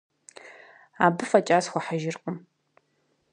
Абы фӏэкӏа схуэхьыжыркъым.